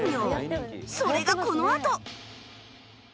それがこのあと